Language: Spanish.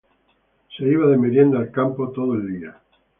Se iba de merienda al campo todo el día.